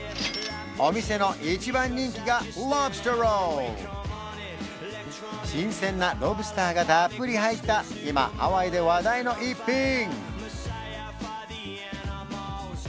お店の一番人気がロブスター・ロール新鮮なロブスターがたっぷり入った今ハワイで話題の一品